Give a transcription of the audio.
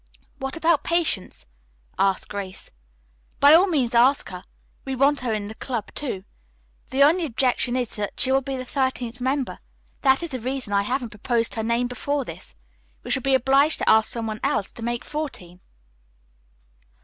"What about Patience?" asked Grace. "By all means ask her. We want her in the club, too. The only objection is that she will be the thirteenth member. That is the reason I haven't proposed her name before this. We shall be obliged to ask some one else to make fourteen."